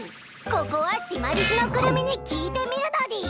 ここはシマリスのクルミに聞いてみるのでぃす。